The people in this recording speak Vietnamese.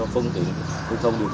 phương tiện lưu thông